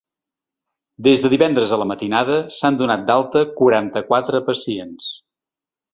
Des de divendres a la matinada s’han donat d’alta quaranta-quatre pacients.